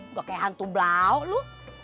udah kayak hantu blau loh